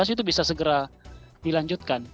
itu bisa segera dilanjutkan